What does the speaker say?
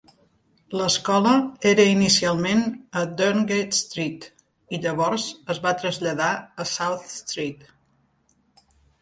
L'escola era inicialment a Durngate Street, i llavors es va traslladar a South Street.